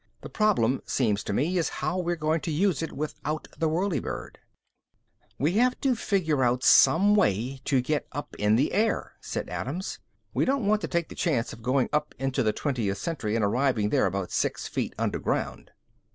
"The problem, seems to me, is how we're going to use it without the whirlybird." "We have to figure out some way to get up in the air," said Adams. "We don't want to take the chance of going up into the twentieth century and arriving there about six feet underground."